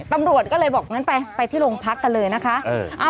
ตำรวจก็เลยบอกงั้นไปที่โรงพักกันเลยนะคะ